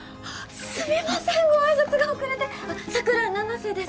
すみませんご挨拶が遅れて佐倉七瀬です